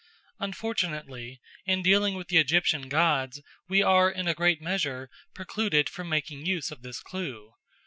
Unfortunately, in dealing with the Egyptian gods we are in a great measure precluded from making use of this clue.